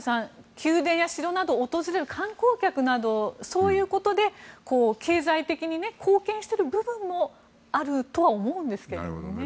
宮殿や城などを訪れる観光客など、そういうことで経済的に貢献している部分もあるとは思うんですけどね。